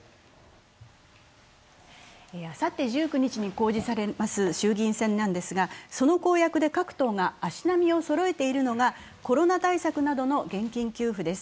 あさって１９日に公示されます衆議院選ですが、その公約で各党が足並みをそろえているのがコロナ対策などの現金給付です。